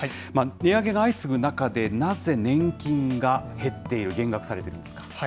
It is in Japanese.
値上げが相次ぐ中で、なぜ、年金が減っている、減額されているんですか。